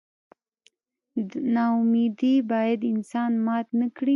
نا امیدي باید انسان مات نه کړي.